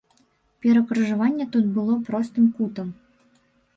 Перакрыжаванне тут было простым кутам.